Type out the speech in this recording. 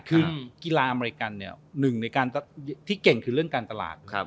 คือกีฬาอเมริกันเนี่ยหนึ่งในการที่เก่งคือเรื่องการตลาด